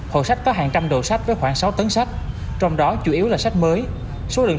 hội sách có hàng trăm đồ sách với khoảng sáu tấn sách trong đó chủ yếu là sách mới số lượng